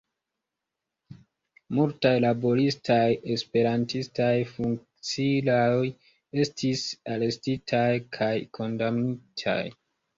Multaj laboristaj Esperantistaj funkciuloj estis arestitaj kaj kondamnitaj.